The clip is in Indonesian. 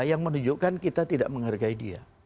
yang menunjukkan kita tidak menghargai dia